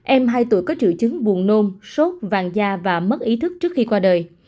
em hai tuổi có triệu chứng buồn nôm sốt vàng da và mất ý thức trước khi qua đời